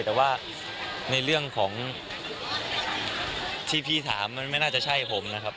แต่ว่าในเรื่องของที่พี่ถามมันไม่น่าจะใช่ผมนะครับ